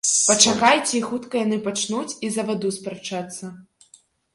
Пачакайце, і хутка яны пачнуць і за ваду спрачацца.